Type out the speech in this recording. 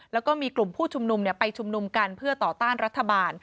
แล้วก็มีกลุ่มผู้ชุมนุมไปชุมนุมกันเพื่อต่อต้านรัฐบาล